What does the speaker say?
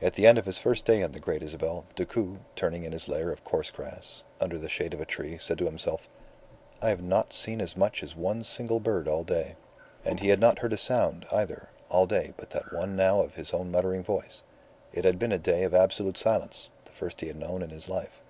At the end of his first day on the Great Isabel, Decoud, turning in his lair of coarse grass, under the shade of a tree, said to himself "I have not seen as much as one single bird all day." And he had not heard a sound, either, all day but that one now of his own muttering voice. It had been a day of absolute silence the first he had known in his life.